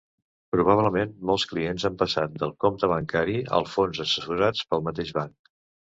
Probablement molts clients han passat del compte bancari al fons assessorats pel mateix banc.